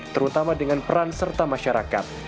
terutama dengan peran serta masyarakat